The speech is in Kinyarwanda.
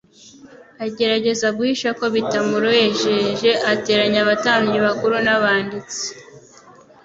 agerageza guhisha ko bitamuruejeje. Ateranya abatambyi bakuru n'abanditsi,